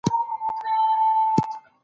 که توان نه وي، نو د علم کارول باید ترسره سي.